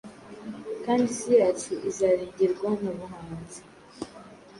kandi isi yacu izarengerwa Nta buhanzi.